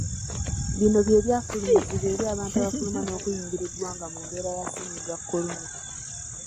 Bino bye byafulumizibwa eri abantu abafuluma n'okuyingira eggwanga mu mbeera ya ssennyiga korona.